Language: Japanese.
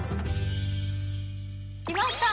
きました。